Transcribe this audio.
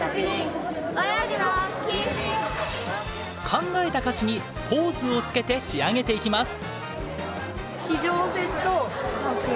考えた歌詞にポーズをつけて仕上げていきます。